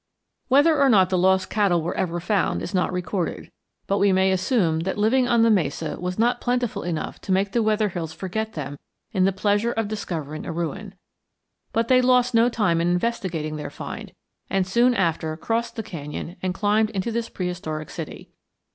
Whether or not the lost cattle were ever found is not recorded, but we may assume that living on the mesa was not plentiful enough to make the Wetherills forget them in the pleasure of discovering a ruin. But they lost no time in investigating their find, and soon after crossed the canyon and climbed into this prehistoric city.